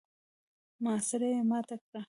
محاصره يې ماته کړه.